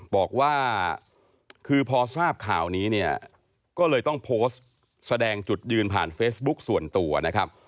บอกว่าคือพอทราบข่าวนี้เนี่ยก็เลยต้องโพสต์แสดงจุดยืนผ่านเฟซบุ๊กส่วนตัวนะครับ